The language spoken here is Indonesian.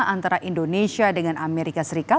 antara indonesia dan indonesia